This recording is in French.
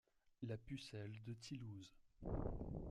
La Pucelle de Thilhouze.